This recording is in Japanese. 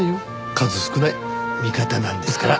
数少ない味方なんですから。